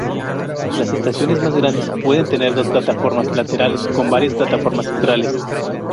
Las estaciones más grandes pueden tener dos plataformas laterales con varias plataformas centrales.